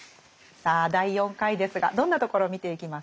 さあ第４回ですがどんなところを見ていきますか？